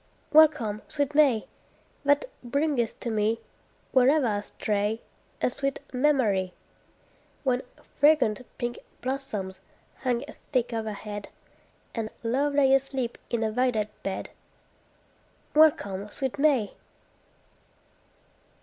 Welcome, sweet May! That bringest to me, Wherever I stray, A sweet memory, When fragrant pink blossoms hung thick overhead, And love lay asleep in a violet bed. Welcome, sweet May!